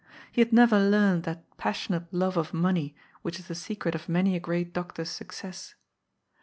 He had never learnt that passionate love of money which is the secret of many a great doctor's success.